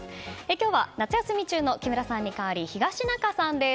今日は夏休み中の木村さんに代わり東中さんです。